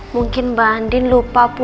mungkin mbak andin lupa